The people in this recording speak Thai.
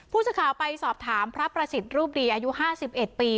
ผู้สื่อข่าวไปสอบถามพระประสิทธิ์รูปดีอายุ๕๑ปี